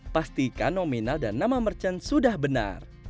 pastikan nominal dan nama merchant sudah benar